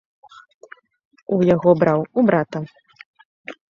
У яго браў, у брата.